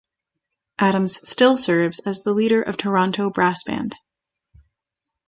Adams still serves as the leader of Tornado Brass Band.